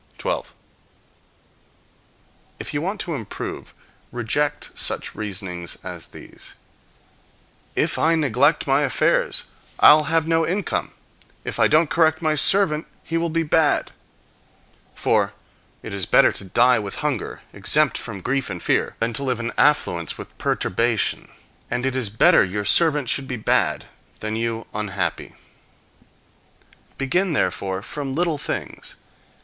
12. If you want to improve, reject such reasonings as these: "If I neglect my affairs, I'll have no income; if I don't correct my servant, he will be bad." For it is better to die with hunger, exempt from grief and fear, than to live in affluence with perturbation; and it is better your servant should be bad, than you unhappy. Begin therefore from little things.